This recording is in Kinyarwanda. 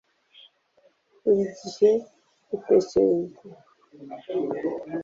buri gihe utekereza